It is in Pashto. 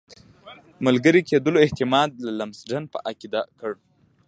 ملګري کېدلو احتمال لمسډن په عقیده کړ.